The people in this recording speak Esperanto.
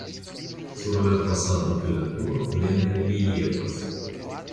Sur la fasado la turo plene reliefas.